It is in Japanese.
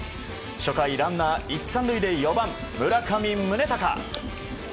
初回、ランナー１、３塁で４番、村上宗隆。